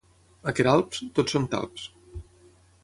A Queralbs, tots són talps.